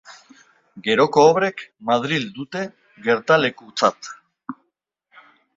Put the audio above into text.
Geroko obrek Madril dute gertalekutzat.